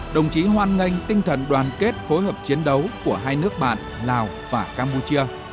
đồng chí hoan nghênh tinh thần đoàn kết phối hợp chiến đấu của hai nước bạn lào và campuchia